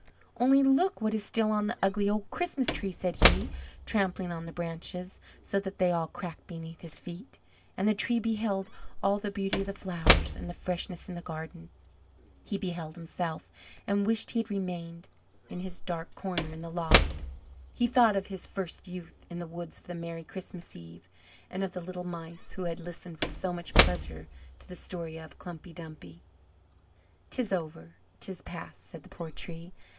"Only look what is still on the ugly old Christmas tree!" said he, trampling on the branches, so that they all cracked beneath his feet. And the Tree beheld all the beauty of the flowers, and the freshness in the garden; he beheld himself, and wished he had remained in his dark corner in the loft; he thought of his first youth in the woods, of the merry Christmas Eve, and of the little Mice who had listened with so much pleasure to the story of Klumpy Dumpy. "'Tis over 'tis past!" said the poor Tree.